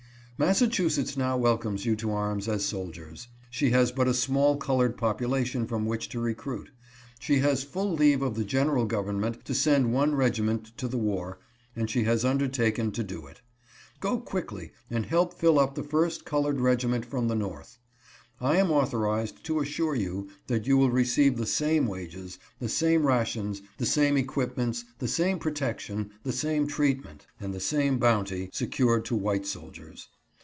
Massachusetts now welcomes you to arms as soldiers. She has but a small colored population from which to recruit. She has full leave of the general government to send one regiment to the war, and she has undertaken to do it. Go quickly and help fill up the first colored regiment from the North. I am authorized to assure you that you will receive the same wages, the same rations, the same equip ments, the same protection, the same treatment, and the same bounty, secured to white soldiers.